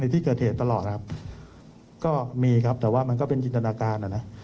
ที่เกิดเหตุตลอดนะครับก็มีครับแต่ว่ามันก็เป็นจินตนาการอ่ะนะ